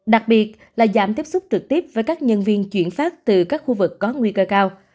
đặc biệt là giảm tiếp xúc trực tiếp với các nhân viên chuyển phát từ các khu vực có nguy cơ cao